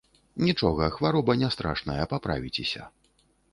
Нічога, хвароба не страшная, паправіцеся.